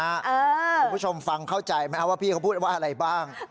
คุณผู้ชมฟังเข้าใจไหมว่าพี่เขาพูดว่าอะไรบ้าง